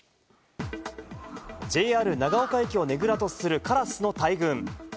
ＪＲ長岡駅をねぐらとするカラスの大群。